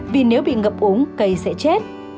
vì nếu bị ngập uống cây sẽ chết